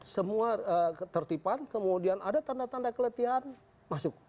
semua ketertiban kemudian ada tanda tanda keletihan masuk